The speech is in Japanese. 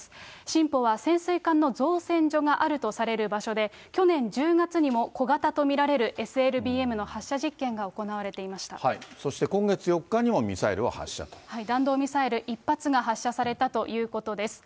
シンポは潜水艦の造船所があるとされる場所で、去年１０月にも小型と見られるＳＬＢＭの発射実験が行われていまそして今月４日にもミサイル弾道ミサイル１発が発射されたということです。